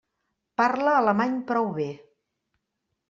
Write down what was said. Parla alemany prou bé.